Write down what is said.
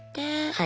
はい。